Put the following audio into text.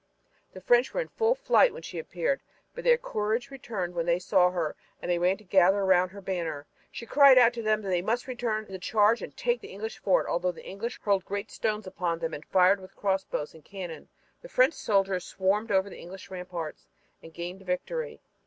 The French were in full flight when she appeared, but their courage returned when they saw her and they ran to gather around her banner. She cried out to them that they must return to the charge and take the English fort, and although the English hurled great stones upon them and fired with crossbows and cannon, the French soldiers swarmed over the English ramparts and gained the victory.